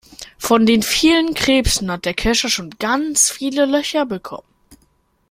Von den vielen Krebsen hat der Kescher schon ganz viele Löcher bekommen.